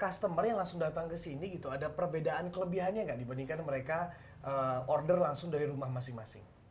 customer yang langsung datang ke sini gitu ada perbedaan kelebihannya nggak dibandingkan mereka order langsung dari rumah masing masing